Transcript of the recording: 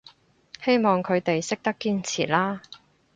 希望佢哋識得堅持啦